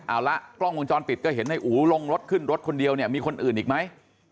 เอาละกล้องวงจรปิดก็เห็นในอู๋ลงรถขึ้นรถคนเดียวเนี่ยมีคนอื่นอีกไหม